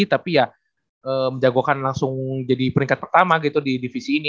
tapi ya menjagokan langsung jadi peringkat pertama gitu di divisi ini